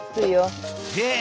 へえ！